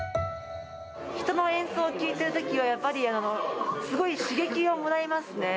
人の演奏を聴いてるときは、やっぱりすごい刺激をもらいますね。